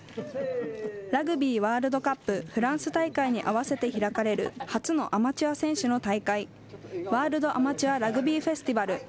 ラグビーワールドカップフランス大会に合わせて開かれる初のアマチュア選手の大会、ワールドアマチュアラグビーフェスティバル。